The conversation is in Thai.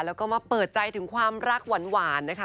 แล้วก็มาเปิดใจถึงความรักหวานนะคะ